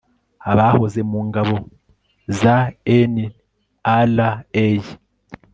abahoze mu ngabo za nra